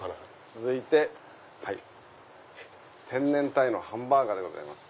続いて天然タイのハンバーガーでございます。